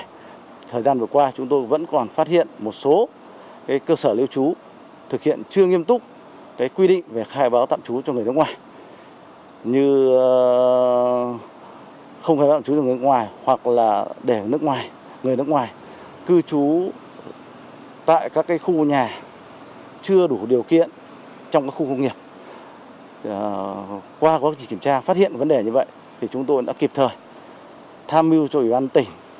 đồng thời yêu cầu các doanh nghiệp có lao động người nước ngoài và cơ sở lưu trú thực hiện nghiêm túc việc khai báo tạm trú cho người nước ngoài đảm bảo một trăm linh người nước ngoài đến tạm trú hoạt động trên địa bàn tỉnh kịp thời phát hiện xử lý các trường hợp người nước ngoài